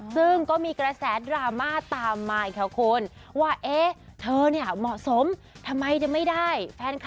ซึ่งก็มีกระแสตามาตามมาอีกนะคะคุณ